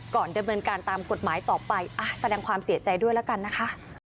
ก่อนดำเนินการตามกฎหมายต่อไปแสดงความเสียใจด้วยแล้วกันนะคะ